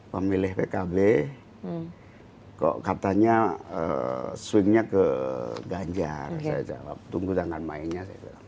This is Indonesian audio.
pemilih pkb kok katanya swingnya ke ganjar saya jawab tunggu tangan mainnya